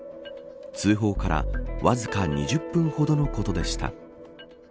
通報からわずか２０分ほどのことでした。